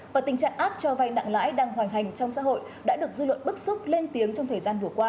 và tình trạng áp cho vay nặng lãi đang hoành hành trong xã hội đã được dư luận bức xúc lên tiếng trong thời gian vừa qua